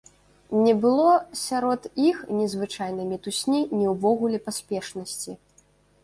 Не было сярод іх ні звычайнай мітусні, ні ўвогуле паспешнасці.